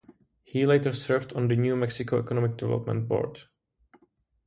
He later served on the New Mexico Economic Development Board.